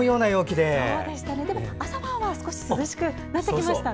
でも、朝晩は少し涼しくなってきましたね。